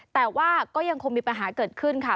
แต่ว่าก็ยังคงมีปัญหาเกิดขึ้นค่ะ